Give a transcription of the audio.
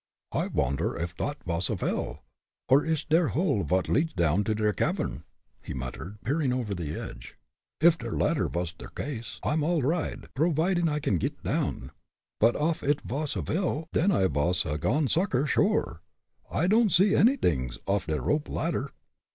"I vonder off dot vas a well, or ish der hole vot leads down into der cavern," he muttered, peering over the edge. "If der latter vos der case, I'm all righd, providin' I can git down. But off id vos a well, den I vos a gone sucker sure. I don'd see anydings off der rope ladder."